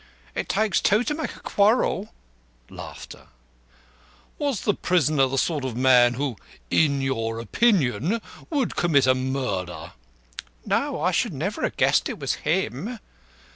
"It takes two to make a quarrel." "Was prisoner the sort of man who, in your opinion, would commit a murder?" "No, I never should ha' guessed it was him."